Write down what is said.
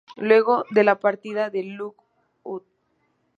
Luego de la partida de Lookout!